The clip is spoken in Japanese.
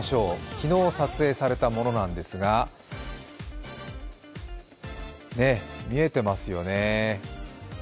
昨日撮影されたものなんですが見えてますよね。